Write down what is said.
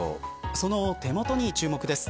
その手元に注目です。